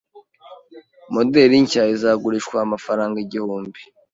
Moderi nshya izagurishwa amafaranga igihumbi.